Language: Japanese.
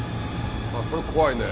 それ怖いね。